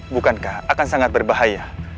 bukankah akan sangat berbahaya